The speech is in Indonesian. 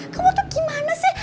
kamu tuh gimana sih